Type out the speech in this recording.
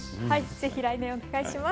ぜひ来年お願いします。